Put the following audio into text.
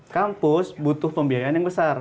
kampus butuh pembiayaan yang besar